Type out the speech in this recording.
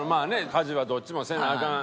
家事はどっちもせなアカン。